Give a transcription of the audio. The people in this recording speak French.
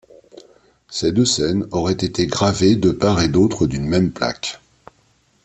Ces deux scènes auraient été gravées de part et d’autre d’une même plaque.